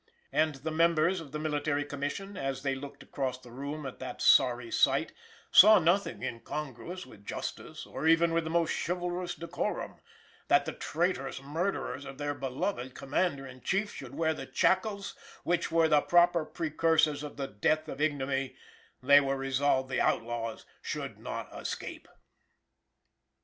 And the members of the Military Commission, as they looked across the room at that sorry sight, saw nothing incongruous with justice, or even with the most chivalrous decorum, that the traitorous murderers of their beloved Commander in Chief should wear the shackles which were the proper precursors of the death of ignominy, they were resolved the outlaws should not escape.